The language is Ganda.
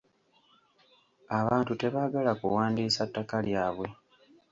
Abantu tebagaala kuwandiisa ttaka lyabwe.